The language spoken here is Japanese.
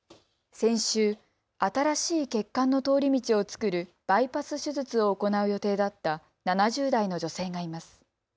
先週新しい血管の通り道を作るバイパス手術を行う予定だった７０代の女性がいます。